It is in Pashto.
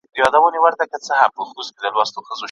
نه مشال د چا په لار کي، نه پخپله لاره وینم